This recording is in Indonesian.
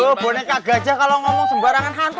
aduh boneka gajah kalo ngomong sembarangan hantu